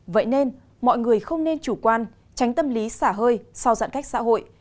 vậy nên mọi người không nên chủ quan tránh tâm lý xả hơi sau giãn cách xã hội